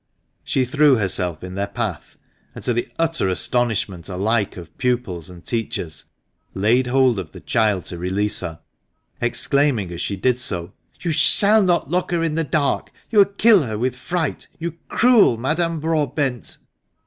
She threw herself in their path, and to the utter astonish ment alike of pupils and teachers laid hold of the child to THE MANCHESTER MAN. 229 release her, exclaiming as she did so, "You shall not lock her in the dark! you will kill her with fright, you cruel Madame Broadbent!"